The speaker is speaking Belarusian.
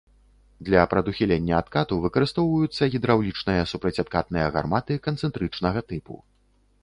Для прадухілення адкату выкарыстоўваюцца гідраўлічныя супрацьадкатныя гарматы канцэнтрычнага тыпу.